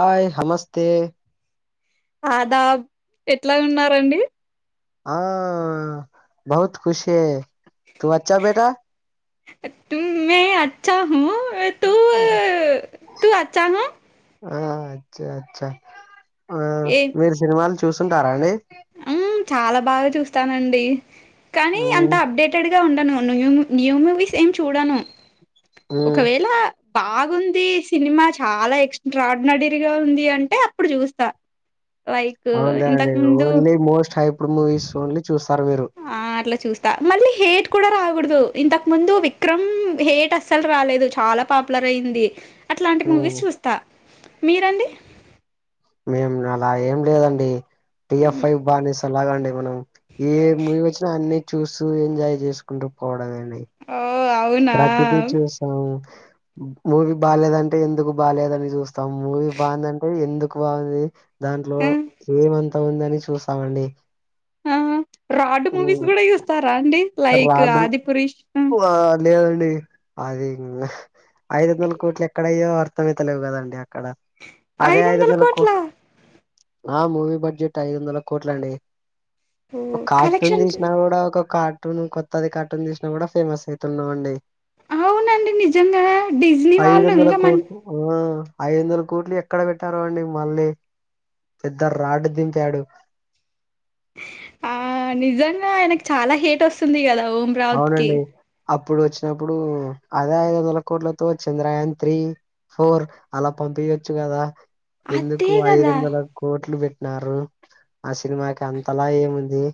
Hi నమస్తే ఆదాబ్ ఎట్లా ఉన్నారండి ఆ బహుత్ కుుష్ హే తూ అచ్చా బెటా [unintelligible] తూ మై అచ్చాహు తూ అచ్చాహు [unintelligible] ఆ అచ్చా అచ్చా ఆ మీరు సినిమాలు చూసుంటారాండి ఉం చాలా బాగా చూస్తానండి కానీ అంత హ్మ్ అప్డేటెడ్ గా ఉండను న్యూ మూవీస్ ఏం చూడను హ్మ్ ఒకవేళ బాగుంది సినిమా చాలా ఎక్సట్రాఆర్డినరీ గా ఉంది అంటే అప్పుడు చూస్తా లైక్ అవునులే అండి ఇంతకు ముందు only most hyper movies only చూస్తారు మీరు ఆ అట్లా చూస్తా మళ్ళీ హేట్ కూడా రాకూడదు ఇంతకు ముందు విక్రమ్ హేట్ అసలు రాలేదు చాలా పాపులర్ అయింది అట్లాంటి హ్మ్ మూవీస్ చూస్తా మీరండి మేము అలా ఏం లేదండి పి ఎఫ్ ఫైవ్ బానిస లాగండి మనం ఏ మూవీ వచ్చినా అన్ని చూస్తూ ఎంజాయ్ చేసుకుంటు పోవడం అండి ఓ వావ్ ప్రతిదీ చూస్తాం మూవీ బాలేదంటే ఎందుకు బాలేదని చూస్తాం మూవీ బాగా ఉందంటె ఎందుకు బాగా ఉంది దాంట్లొ ఆ ఏముంది అని చూసామండి ఆ ర్రాడ్ మూవీస్ కూడా చూస్తార అండి లైక్ రాడు ఆది పురుష్ ఆ లేదండి అది ఐదు వందల కోట్లు ఎక్కడయ్యో అర్తమైతలేవ్ కదండి అక్కడ అదే ఐదు వందల కోట్లు ఆ మూవి బడ్జెట్ ఐదు వందల కోట్లండి ఓ ఒక కార్టూన్ కలెక్షన్ తీసిన కూడా ఒక కార్టూన్ కొత్తది కార్టూన్ తీసిన కూడా ఫేమస్ ఐతున్నం అండి ఔనండి నిజంగా డిజ్నీ వాళ్ళు ఇంక మన్ ఊ ఐదు వందల కోట్లు ఎక్కడ పేట్టారో అండి మళ్ళీ పెద్ద ర్రాడ్డ్ దింపాడు ఆ నిజంగా ఆయనకు చాల హేట్ వస్తుంది కదా రావత్ కి ఔనండి అప్పుడు ఒచ్చినప్పుడు అదే ఐదు వందల కోట్లతో చంద్రాయన్ త్రీ ఫోర్ అలా పంపియోచ్చు గదా ఎందుకు అదే ఐదు కదా వందల కోట్లు పెట్టినారు ఆ సినిమాకు అంతలా ఏముంది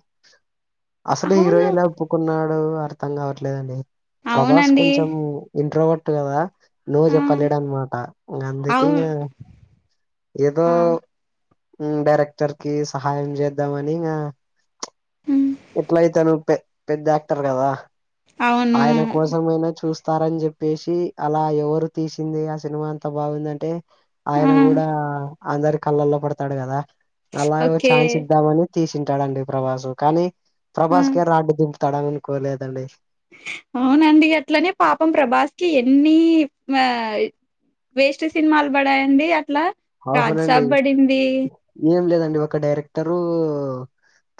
అసలు హీరో అవును ఎలా ఒప్పుకున్నాడు అర్థం కావట్లేదండి ప్రభాస్ అవునండి కొంచెం నిద్రకోట్టు కదా నో ఆ చెప్పలేడు అన్నమాట అందుకె అవును ఇగా ఎదో ఆ ఉ డైరెక్టర్ కి సహాయం చేద్దామని ఇగ ఉమ్, ఎట్లయితే ను పె పెద్ద యాక్టర్ గదా అవును ఆయన కోసమైనా చూస్తారు అని చెప్పేసి అలా ఎవరు తీసిన అ సినిమా అంత బాగా ఉందంటే ఆ ఆయన కుడా అందరి కళ్ళల్లో పడతాడు గదా అలాగె ఓకే ఛాన్స్ ఇద్దామని తీసింటాడండి ప్రభాసు కాని ఆ ప్రభాస్కె రాడ్డు దింపుతాడు అనుకో లేదండి ఔనండి అట్లనె పాపం ప్రభాస్ కి ఎన్నీ మా వేస్ట్ సినిమాలు పడ్డాయండి అట్లా అవునండి రాజ్సాబ్ పడింది ఏం లేదండి ఒక డైరెక్టరూ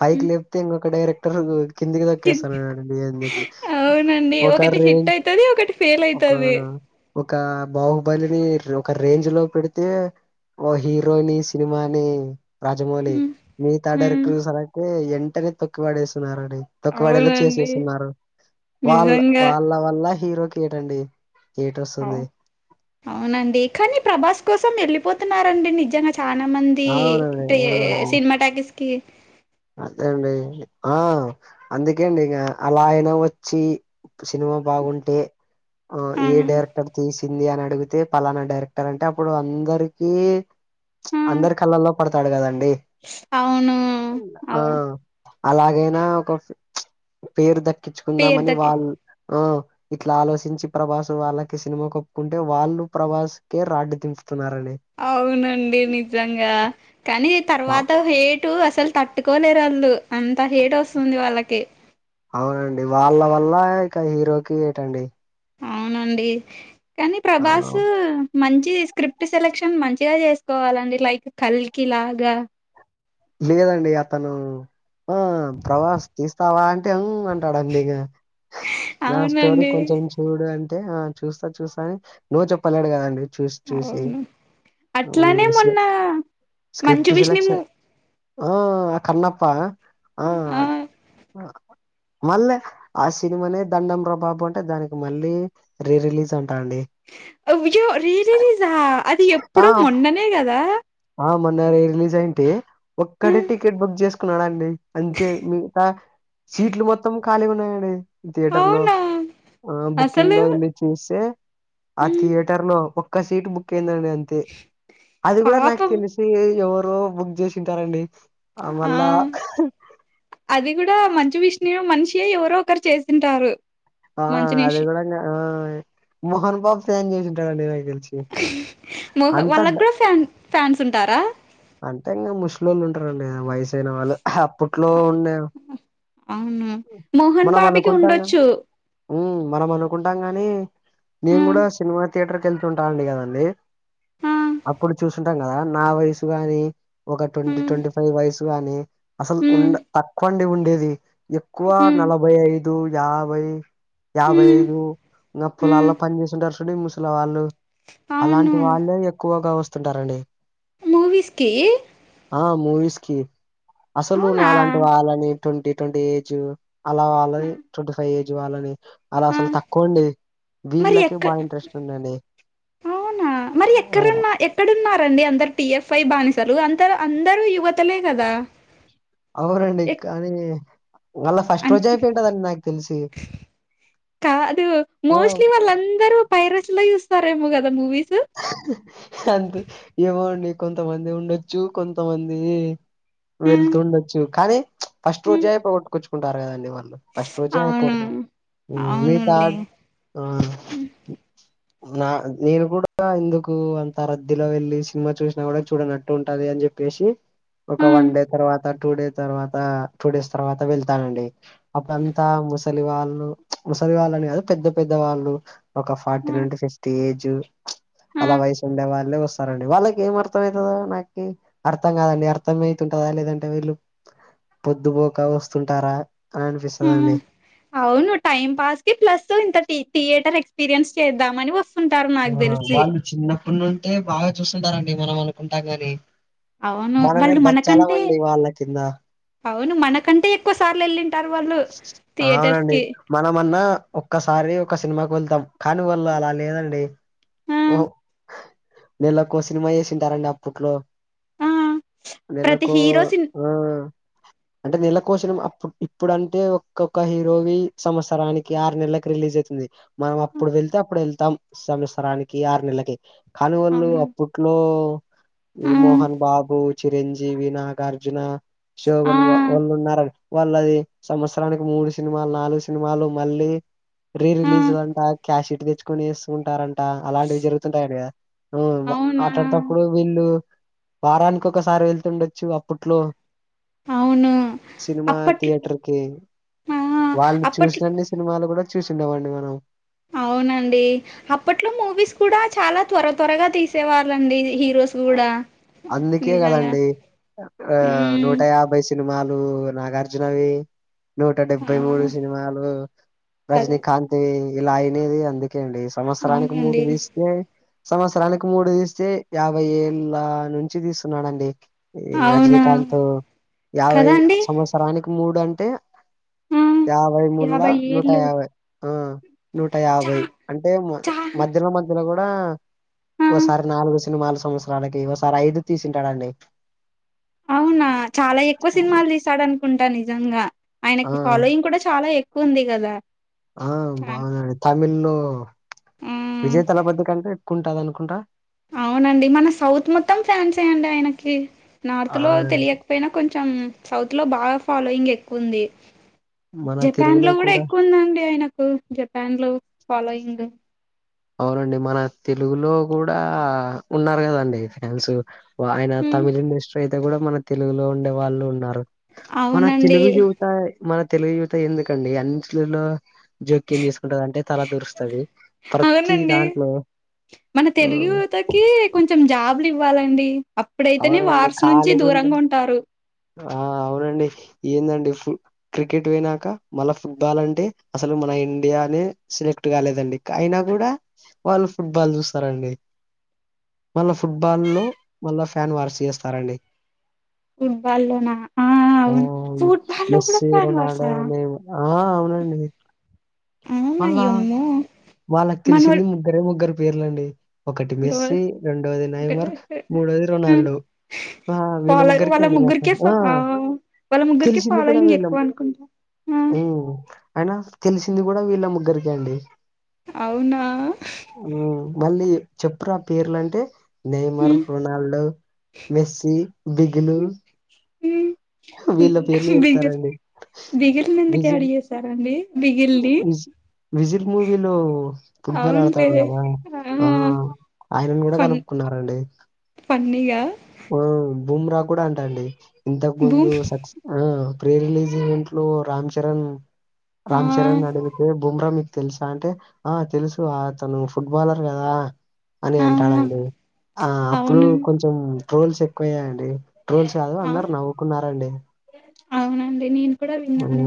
పైకి లేప్తే ఇంకొక డైరెక్టరు కిందికి దొక్కేస్తానన్నారు అండి ఎందుకి అవునండి ఒక ఒకటి హిట్ రేంజ్ అయితది ఒకటి ఫెయిల్ ఒక అయితది ఒక బాహుబలిని ఒక రేంజ్ లొ పెడితే ఒక హీరోని సినిమాని రాజమౌళి హ్మ్, మిగితా హ్మ్. డైరెక్టర్ సెలెక్ట్ ఏ ఎంటనే తొక్కి వడేస్తున్నారండి తొక్కువడేలా అవునండి చేసేస్తున్నారు వాళ్ నిజంగా వాళ్ళ వల్ల హీరోకి ఏటండి ఏట్ ఒస్సుంది ఔనండి కని ప్రభాస్ కోసం ఎళ్ళిపోతున్నారండి నిజంగా చ్ చాలామంది అవునండి సినిమా టాకీస్ కి అదె అండి ఆ అందుకేండి ఇగ అలాయిన వచ్చి సినిమా బాగుంటే ఆ ఏ డైరెక్టర్ తీసిన ఇది అని అడిగితే పలాన డైరెక్టర్ అంటే అప్పుడు అందరికీ అందరీ కళ్ళల్లొ పడతాడు కదండి ఔనూ ఆ అలాగైనా ఒక ఫి పేరు పేరు దక్కిచ్చుకుందామని దక్కి వాళ్లు ఆ ఇట్ల ఆలోచించి ప్రభాసు వాళ్ళకి సినిమాకె ఒప్పుకుంటే వాళ్ళు ప్రభాస్ కె ర్రాడ్డు దింపుతున్నార్ అండి ఔనండి నిజంగా కానీ వా- తర్వాత హేటు అసలు తట్టుకోలేర్ వళ్ళు అంత హేట్ వస్తుంది వాళ్ళకి ఔనండి వాళ్ళ వల్ల ఇక హీరోకి ఏటండి ఔనండి కాని ఆ ప్రభాసు మంచిది స్క్రిప్ట్ సెలెక్షన్ మంచిగా చేస్కోవాలండి లైక్ కల్కి లాగ లేదండి అతనూ ఆ ప్రవాస్ తీస్తావా అంటె ఊ అంటాడ్ అండి ఇగ నా స్టోరీ అవునండి కొంచం చూడు అంటే ఆ చూస్తా చూస్తా అని నో చెప్పలేడు కదండి చూస్ చూసి అవును హు అట్లానే స్లె మొన్న మంచు స్క్రిప్ట్ విష్ణు మూ సెలెక్షన్ ఓ అ కన్నప్ప న ఆ అ మళ్లే ఆ సినిమానే దండం రా బాబు అంటే దానికి మళ్ళీ రీ రీలీజ్ అంటా అండి అవ్జో రీ రీలిజా అది ఆ ఎప్పుడు మొన్ననే గదా ఆ మోన్నా రీ రిలీజ్ అయింటే ఆ, ఒక్కడే టికెట్ బుక్ జేస్కున్నాడండి అంతే మిగ్తా సీట్లు మొత్తం ఖాళీ గున్నాయడి థియేటర్లో అవునా ఆ అసలు బుకింగా అండి చూస్సే ఆ మ్ థియేటర్లో ఒక్క సీట్ బుకైందండి అన్ తె అది గూడా నాకు పాపం తెల్సి ఎవరో బుక్ జేసుంటారండి అ ఆ మళ్ళా అది గూడా మంచి విష్ణుయ్ మనిషి ఎవరో ఒకరు చేసింటారు ఆ మంచు అది నిషి కూడాంగా ఆ మోహన్ బాబ్ ఫ్యాన్ చేసింటాడండి నాకు దెల్సి మోహ వాళ్ళగ్గూడా ఫ్యాన్ ఫ్యాన్స్ ఉంటారా అంతే ఇంగ ముష్లోళ్ళుటారండి అ వయసైన వాళ్ళు అహ్ అప్పట్లో ఉండే అవ్ను మోహన్ బాబ్కి ఉండొచ్చు ఊమ్ మనం అనుకుంటాం గాని నేను హ్మ్ గూడా సినిమా థియేటర్కేళ్తుటాండి గదండి హ్మ్ అప్పుడు చూసుంటాం గదా నా వయసు గాని ఒక ట్వంటీ హ్మ్ ట్వంటీ ఫైవ్ వయసు గాని అసల్ హ్మ్ ఉండ తక్కువండి ఉండేది ఎక్కువ హ్మ్ నలభై ఐద్ దూ యాభై యాబై హ్మ్ ఐదూ ఇంగ హ్మ్ పొలాల్లో పని చేసింటారు సుడు ఈ ముసలి వాళ్ళు అలాంటి అవును వాళ్ళే ఎక్కువగా వస్త్ స్తుంటారండి మూవీస్కి ఆ మూవీస్కి అసలు అవునా నాలాంటి వాళ్ళని ట్వంటీ ట్వంటీ ఏజూ అలా ఆ! వాళ్ళని ట్వంటీ ఫై ఏజ్ వాళ్ళని అలా ఆ! అసలు తక్కువండి మరి వీళ్ళకి బా ఇంట్రెస్టుండండి అవ్నా మరి ఎక్కరన్నా ఎక్కడున్నారండి అందరు టిఎఫ్ఐ బానిసలు అంతరు అందరు యువతలే గదా అవ్నండి కానీ వాళ్ళా ఫస్ట్ అం రోజైపోయి ఉంటదండి నాకు తెల్సి కాదు మోస్ట్లీ వాళ్ళందరూ పైరస్లో చూస్తారేమో గదా మూవీసు అంతే ఏమోండి కొంతమంది ఉండొచ్చు కొంతమందీ హ్మ్. వెళ్తుండొచ్చు కానీ ఫస్ట్ హ్మ్. రోజైపోగొట్టుకొచ్చుకుంటారు కదండి వాళ్ళు ఫస్ట్ రోజే అయ్ అవును పొడుదు ఉ మీ అవునులే తాడ్ ఆ నా నేను కూడా తా ఎందుకు అంత రద్దీలో వెళ్ళి సినిమా చూస్నా కూడా చూడనట్టు ఉంటది అని జెప్పేశి ఒక ఆ! వన్ డే తర్వాత టూ డే తర్వాత టూడేస్ తర్వాత వెళ్తనండి అప్పుడంతా ముసలివాళ్ళు ముసల్వాళ్ళనే కాదు పెద్ద పెద్ద వాళ్ళు ఒక ఆ! ఫార్టీన్ అంటే ఫిఫ్టీ ఏజు ఆ! అలా వయసుండే వాళ్ళే ఒస్తారండి వాళ్ళక్ ఏం అర్థం అయితాదో నాకి అర్థం కాదండి అర్థమైతుంటందా లేదంటే వీళ్ళు పొద్దుపోక వస్తుంటారా అని ఆ! అనిపిస్తుందండి అవును టైం పాస్కి ప్లస్ ఇంత థియేటర్ ఎక్స్పీరియన్స్ చేద్దామని ఉంటారు నాకు తెల్సి కొన్నుంటే బాగా చూస్తుంటారండి మనం అనుకుంటాం గాని అవును మనమే బచ్చలమండి వాళ్ళ కింద అవ్ను మనకంటే ఎక్కువ సార్లు ఏళ్ళింటారు వాళ్ళు అవునండి థియేటర్స్కి మనమన్నా ఒక్కసారి ఒక సినిమా కేళ్తాం కానీ వాళ్ళు అలా లేదండి ఆ ఓ నెలకో సినిమా చేసింటారండి అప్పట్లో ఆ ప్రతి నెలకో హీరో సిన్ ఆ అంటే నెలకోసిన్మా అప్పుడు ఇప్పుడు అంటే ఒక్కొక్క హీరోవి సంవత్సరానికి ఆరు నెలకి రిలీజ్ అవుతుంది మనం ఆ! అప్పుడు వెళ్తే అప్పుడు వెళ్తాం సంమత్సరానికి ఆరు నెలలకి కాని వాళ్ళు అవును అప్పుడు అపట్లో ఈ ఆ మోహన్ బాబు చిరంజీవి నాగార్జున ఆ శోభన్ వాళ్ళు ఉన్నారు వాళ్ళు అది సంవత్సరానికి మూడు సినిమాలు నాలుగు సినిమాలు మళ్ళీ రీ ఆ రిలీజ్ క్యాష ఇట్ కొనేసుకుంటారంట అలాంటివి జరుగుతుంటయి అంట కదా అవునా అట్లాడప్పుడు వీళ్ళు వారానికి ఒకసారి వెళ్తుండొచ్చు అప్పట్లో అవును సినిమా అప్పట్లో థియేటర్ ఓకే ఆ వాళ్ళని అప్పట్లో చూసినన్ని సినిమాలు కూడా చూసిండవ్వండి మనం అవునండి అప్పట్లో మూవీస్ కూడా చాలా త్వర త్వరగా తీసేవాళ్ళండి హీరోస్ కూడా అందుకే నిజంగా కదండి ఆ మ్మ్ నూట యాభై సినిమాలు నాగార్జునవి నూట డెబ్బై ఆ మూడు సినిమాలు కదా రజనీకాంత్ వి ఇలా అయినది అందుకే అండి సంవత్సరానికి మూడు అవునండి తీస్తే సంవత్సరానికి మూడు తీస్తే యాభై ఏళ్ళ నుంచి తీస్తున్నాడండి ఈ అవునా రజనీకాంత్ యాభై కదా అండి సంవత్సరానికి మూడు అంటే ఆ యాభై ముళ్ళ యాభై ఏళ్ళు నూటయాభై ఆ చా నూటయాభై అంటే చా మధ్యలో మధ్యలో కూడా ఆ ఓసారి నాలుగు సినిమాల సంవత్సరాలకి ఒకసారి ఐదు తీసింటాడండి అవునా చాలా ఎక్కువ సినిమాలు తీసాడు అనుకుంటా నిజంగా ఆ ఆయనకి ఫాలోయింగ్ కూడా చాలా ఎక్ వ ఉంది కదా ఆ చాన్ బాగా అండి తమిళ్ లో మ్మ్ విజయ దళపతి అంటే ఎక్కువంటంది అనుకుంటా అవునండి మన సౌత్ మొత్తం ఫ్యాన్స్ ఏ అండి ఆయనకి నార్త్ లో అవునండి తెలియకపోయినా కొంచెం సౌత్ లో బాగా ఫాలోయింగ్ ఎక్కువ ఉంది మన జపాన్ తెలుగులో లో కూడా ఎక్కువందండి ఆయనకు జపాన్ లో ఫాలోయింగ్ అవునండి మన తెలుగులో కూడా ఉన్నారు కదండి ఫ్యాన్స్ ఆయన తమిళ్ ఇండస్ట్రీ అయితే కూడా మన తెలుగులో ఉండే వాళ్ళు ఉన్నారు మన అవునండి తెలుగు మన తెలుగు యువత ఎందుకండి అన్నిట్లలో జోక్యం చేసుకుంటది అంటే తల దురుస్తుంది అవునండి మన ఆ తెలుగు యువత కి కొంచెం జాబ్లు ఇవ్వాలండి అప్పుడైతేనే అవునండి వార్స్ నుంచి ఖాళీగా ఉండి దూరంగా ఉంటారు ఆ అవునండి ఏందండి క్రికెట్ పోయినాక మళ్ళా ఫుట్బాల్ అంటే అసలు మన ఇండియానే సెలెక్ట్ కాలేదండి అయినా కూడా వాళ్ళు ఫుట్బాల్ చూస్తారండి మళ్ళా ఫుట్బాల్ లో మళ్ళ ఫ్యాన్ వార్స్ చేస్తారండి ఫుట్ బాల్ లోన ఆ మెస్సీ ఫ్యాన్ రొనాడో వార్సా మేము ఆ అవునండి మళ్ళా అవునయ్యమ్మ వాళ్ళకి తెలిసింది ముగ్గురే ముగ్గురు పేర్లండి ఒకటి మెస్సీ రెండోది నైమర్ మూడవది హ్మ్. రొనాల్డో ఆ వీళ్ళ ఫాలో ముగ్గురికే వాళ్ళ అండిస ముగ్గురికే ఫ ఆ వాళ్ళ ముగ్గురికి తెలిసింది కూడా ఫాలోయింగ్ వీలం ఎక్కువ అనుకుంటా ఆ ఉ అయినా తెలిసింది కూడా వీళ్ళ ముగ్గురికే అండి అవునా ఉ మళ్ళీ చెప్పురా పేర్లంటే నేమర్ హ్మ్. రొనాల్డో మెస్సి బిగను ఉహ్ బిగి చెప్తారండి. బిగిరినందుకు యాడ్ విజిల్ చేసారండి బిగిలీ విజ్ విజిల్ మూవీలో ఫుట్బాల్ అవునులే ఆడతాడు కదా ఆ ఆయనను కూడా కలుపుకున్నండి ఫన్యా ఆ బుమ్రా కూడా అంటా అండి ఇంతకు ముందు భూమ్ సక్స ఆ ప్రీ రిలీజ ఈవెంట్లో రామ్ చరణ్ రామ్ ఆ చరణ్ అడిగితే బుమ్రా తెలుసా అంటే ఆ తెలుసు అతను ఫుట్బాలర్ కదా అని ఆ అంటాడండి ఆ అప్పుడు అవును కొంచం ట్రోల్స్ ఎక్కువ్యాండి ట్రోల్స్ కాదు ఆ అందరు నవ్వుకున్నారండి అవునండి నేను కూడా అ విన్నాను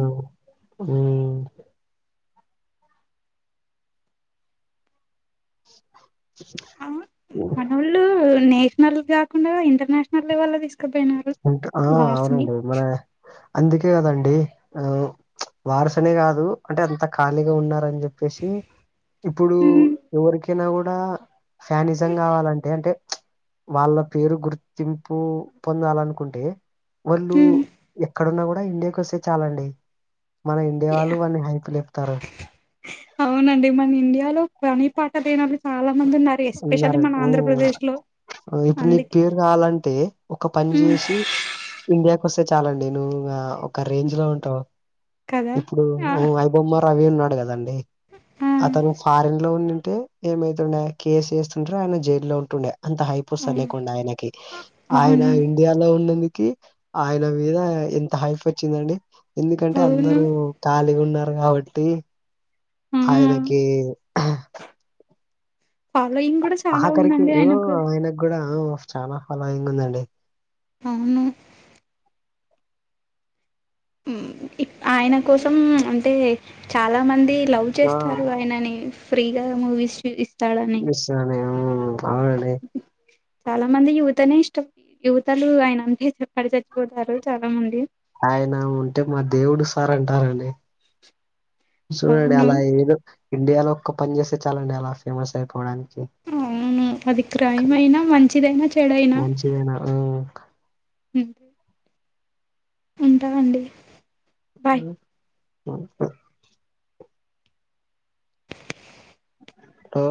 అ మనోళ్లు నేషనల్ కాకుండా ఇంటర్నేషనల్ లెవెల్ లో తీసుకు ఇంకా ఆ అవునండి మన అందుకే కదండి ఆ పరశులే కాదు అంటే అంత ఖాళీగా ఉన్నారని చెప్పేసి ఇప్పుడు మ్మ్ ఎవరికైనా కూడా ఫ్యానిజం కావాలంటే అంటే వాళ్ళ పేరు గుర్తింపు పొందాలని కుంటే వాళ్ళు మ్మ్ క్కడున్న కూడా ఇండియాకి ఓస్తే చాలండి మన ఇండియాలో వన్ని హైప్లుపుతారు అవునండి మన ఇండియాలో పని పాట లేనొల్లు చాలా మంది ఉన్నారు ఎస్పెషల్లీ మన ఆంధ్రప్రదేశ్ లో ఆ ఇప్పుడు నీకు అందుకే పేరు కావాలంటే ఒక పని మ్మ్ చేసి ఇండియాకి ఓస్తే చాలాండి నువు ఇగ ఒక రేంజ్ లో ఉంటావు కదా ఇప్పుడు ఆ అయిబొమ్మ రవి ఉన్నాడు కదండి ఆ అతను ఫారెన్ లో ఉండి ఉంటే ఏమైతుండే కేసు వేస్తుంటిరి ఆయన జైల్లో ఉంటుండే అంత హైపుస్తా అవును లేకుంటె ఆయనకి ఆయన అవును [unintelligible] ఉన్నందుకి ఆయన మీద ఎంత హైప్ వచ్చిందండి ఎందుకంటే అవును అందరు ఖాళీగా ఉన్నారు కాబట్టి ఆ అయినేకి ఫాలోయింగ్ కూడా చాలా ఆఖరికి ఉందండి ఊ ఆయనకు ఆయనకి గుడా ఉ చాలా ఫాలోయింగ్ ఉందండి అవును ఉమ్ ఆయన కోసం అంటే చాలా మంది లవ్ ఆ చేస్తారు అయినని ఫ్రీగా మూవీస్ ఇస్తాడని తను అవునులే చాలా మందికి యూత్ అనే ఇష్టం యువతలు ఆయన అంటేప్పడి చచ్చిపోతారు చాలా మంది ఆయన ఉంటే మా దేవుడు సార్ అంటారండి సూడండి అవును అలా ఏదో ఇండియాలో ఒక్క పని చేస్తే చాలండి అలా ఫేమస్ ఐపోడానికి ఔను అది క్రైం ఐనా మంచిదైనా చెడయినా ఏన ఆ క్ ఉంటా అండి బాయ్ ఉమ్ వో